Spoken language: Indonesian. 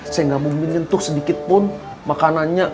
saya nggak mungkin nyentuh sedikitpun makanannya